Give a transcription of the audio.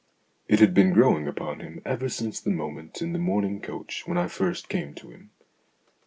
It had been growing upon him ever since the moment in the mourning coach when I first came to him.